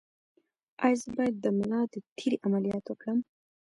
ایا زه باید د ملا د تیر عملیات وکړم؟